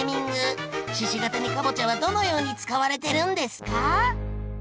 鹿ケ谷かぼちゃはどのように使われてるんですか？